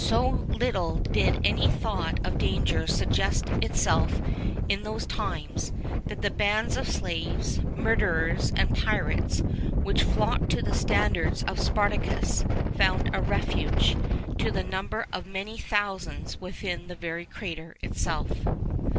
So little did any thought of danger suggest itself in those times, that the bands of slaves, murderers, and pirates which flocked to the standards of Spartacus found a refuge, to the number of many thousands, within the very crater itself.